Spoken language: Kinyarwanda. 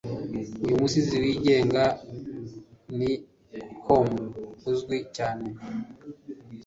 uyu musizi wigenga ni Homer uzwi cyane